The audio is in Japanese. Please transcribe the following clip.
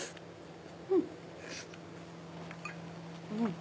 うん！